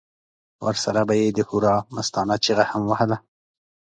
ورسره به یې د هورا مستانه چیغه هم وهله.